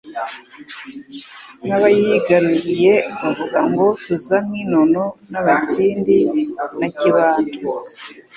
n'abayigaruriye bavuga ngo tuza… nk'inono y'Abasindi na Kibanda”.